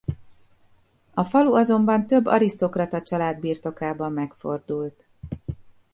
A falu azonban több arisztokrata család birtokában megfordult.